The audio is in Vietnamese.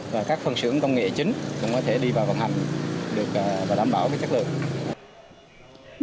và các phần sử dụng công nghệ chính cũng có thể đi vào vận hành và đảm bảo chất lượng